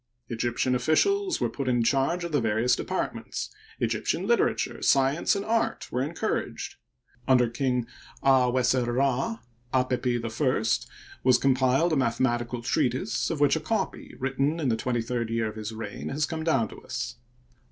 Egyptian officials were put in charge of the various departments ; Egyptian liter ature, science, and art were encouraged. Under King Ad oueser Rd, Apepi /, was compiled a mathematidd treatise, of which a copy, written in the twenty third year of his reign, has come down to us.